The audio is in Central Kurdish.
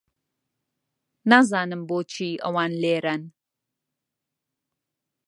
نازانم بۆچی ئەوان لێرەن.